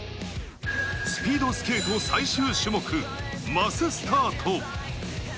スピードスケート最終種目、マススタート。